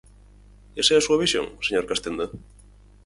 ¿Esa é a súa visión, señor Castenda?